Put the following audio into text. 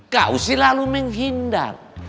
kau selalu menghindar